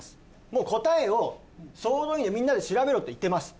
もう答えを「総動員でみんなで調べろ」と言ってます